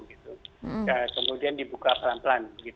kemudian dibuka pelan pelan